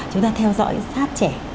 chúng ta theo dõi sát trẻ